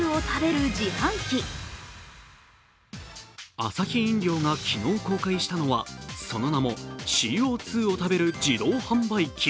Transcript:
アサヒ飲料が昨日、公開したのはその名もＣＯ２を食べる自動販売機。